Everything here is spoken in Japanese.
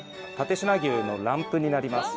蓼科牛のランプになります。